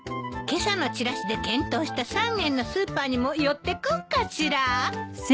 今朝のチラシで検討した３軒のスーパーにも寄ってこうかしら。